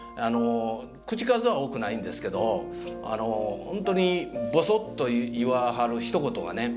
口数は多くないんですけどほんとにぼそっと言わはるひと言がね